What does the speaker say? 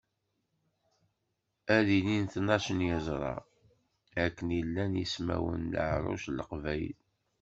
Ad ilin tnac n yeẓra, akken i llan yismawen n leɛruc n leqbayel.